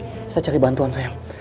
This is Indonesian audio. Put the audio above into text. kita cari bantuan sayang